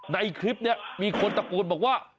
ในคลิปนี้มีคนตะโกนบอกว่า